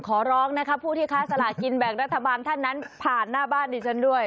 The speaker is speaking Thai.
ขอร้องนะคะผู้ที่ค้าสลากินแบ่งรัฐบาลท่านนั้นผ่านหน้าบ้านดิฉันด้วย